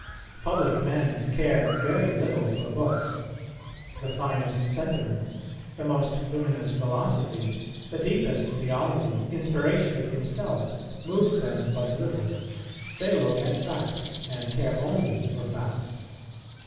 Public men care very little for books; the finest sentiments, the most luminous philosophy, the deepest theology, inspiration itself, moves them but little; they look at facts, and care only for facts.